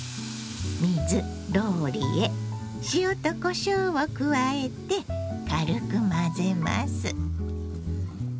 水ローリエ塩とこしょうを加えて軽く混ぜます。